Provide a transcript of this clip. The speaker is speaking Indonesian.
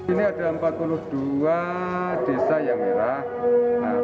ini ada empat puluh dua desa yang merah